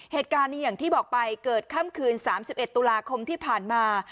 เหตุการณ์นี้อย่างที่บอกไปเกิดค่ำคืน๓๑ตุลาคมที่ผ่านมา